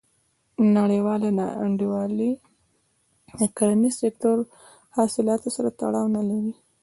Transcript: نړیواله نا انډولي د کرنیز سکتور حاصلاتو سره تړاو نه لري.